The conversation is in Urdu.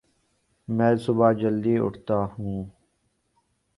میں صبح جلدی اٹھتاہوں